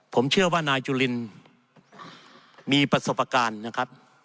ผมเชื่อว่านายจุลินมีประสบความเก่ง